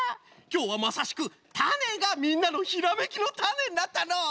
きょうはまさしくたねがみんなのひらめきのタネになったのう！